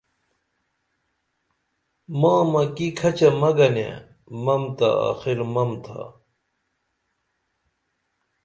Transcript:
مامکی کھچہ مہ گنیہ مم تہ آخر مم تھا